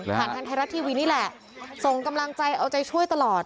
ทางไทยรัฐทีวีนี่แหละส่งกำลังใจเอาใจช่วยตลอด